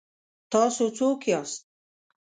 ـ تاسو څوک یاست؟